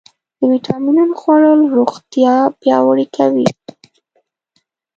د ویټامینونو خوړل روغتیا پیاوړې کوي.